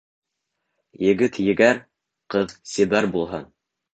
Егет егәр, ҡыҙ сибәр булһын.